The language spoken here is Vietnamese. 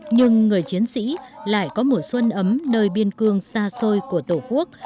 nhưng người chiến sĩ lại có mùa xuân ấm nơi biên cương xa xôi của tổ quốc